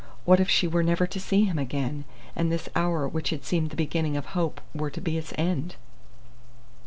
What if she were never to see him again, and this hour which had seemed the beginning of hope were to be its end?